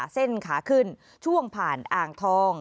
เส้นขาขึ้นช่วงผ่านอ่างทอง